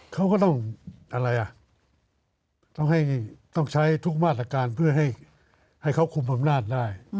เขาก็ต้องใช้ทุกมาตรการเพื่อให้เขาคุมอำนาจได้